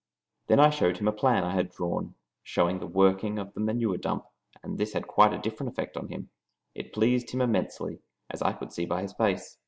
Then I showed him a plan I had drawn, showing the working of the manure dump, and this had quite a different effect on him. It pleased him immensely, as I could see by his face.